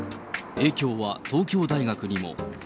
影響は東京大学にも。